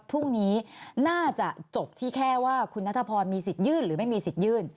พรุ่งนี้น่าจะจบที่แค่ว่าคุณนัทพรมีสิทธิยื่นหรือไม่มีสิทธิ์ยื่น